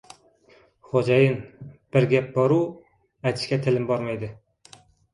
“Xoʻjayin, bir gap bor-u, aytishga tilim bormayapti.